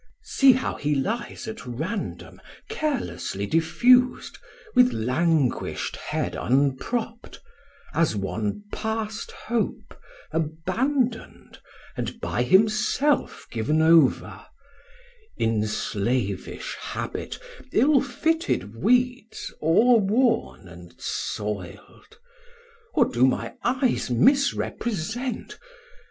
See how he lies at random, carelessly diffus'd, With languish't head unpropt, As one past hope, abandon'd 120 And by himself given over; In slavish habit, ill fitted weeds O're worn and soild; Or do my eyes misrepresent?